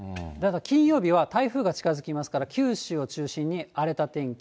金曜日は台風が近づきますから、九州を中心に荒れた天気。